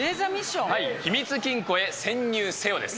秘密金庫へ潜入せよ！です。